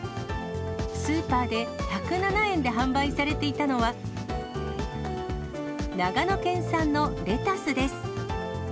スーパーで１０７円で販売されていたのは、長野県産のレタスです。